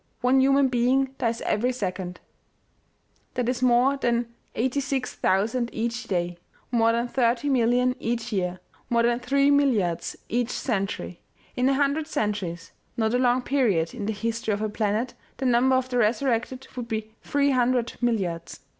One human being dies every second ; that is more than 86,000 each day, more than 30,000,000 each year, more than three milliards each century. In a hundred centuries not a long period in the history of a planet, the number of the resurrected would be three hundred milliards.